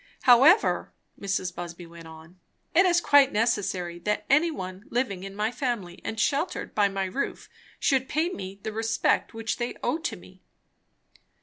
"However," Mrs. Busby went on, "it is quite necessary that any one living in my family and sheltered by my roof, should pay me the respect which they owe to me."